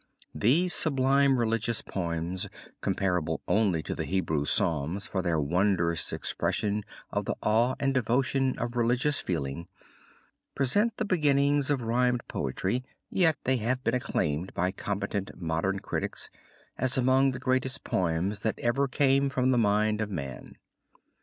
These sublime religious poems, comparable only to the Hebrew psalms for their wondrous expression of the awe and devotion of religious feeling, present the beginnings of rhymed poetry, yet they have been acclaimed by competent modern critics as among the greatest poems that ever came from the mind of man.